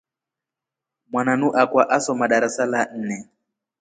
Mwananu akwa esoma darasa la nne.